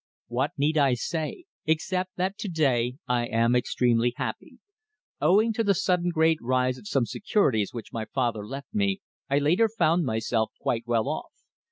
What need I say, except that to day I am extremely happy. Owing to the sudden great rise of some securities which my father left me I later found myself quite well off.